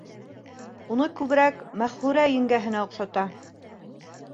Уны күберәк Мәғфүрә еңгәһенә оҡшата.